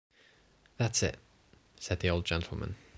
‘That’s it,’ said the old gentleman.